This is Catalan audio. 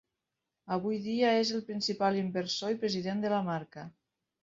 Avui dia és el principal inversor i president de la marca.